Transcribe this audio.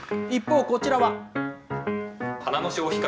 一方、こちらは。